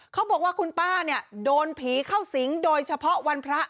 เขาบอกว่าคุณป้าเนี่ยโดนผีเข้าสิงโดยเฉพาะวันพระ